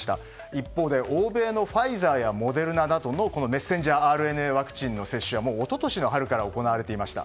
一方で欧米のファイザーやモデルナなどのメッセンジャーＲＮＡワクチンの接種はもう一昨年の春から行われていました。